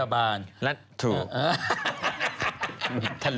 แบ่งคนละห้าสิบตังค์